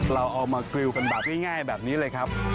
เราเอามากริวกันแบบง่ายแบบนี้เลยครับ